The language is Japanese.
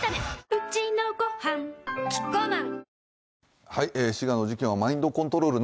うちのごはんキッコーマン